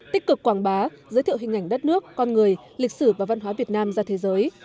tích cực quảng bá giới thiệu hình ảnh đất nước con người lịch sử và văn hóa việt nam ra thế giới